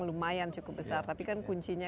lumayan cukup besar tapi kan kuncinya